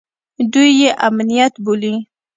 دوى يې امنيت بولي.